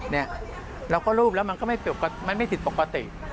เนี่ยเราก็ลูดแล้วมันไม่ถึงปกติ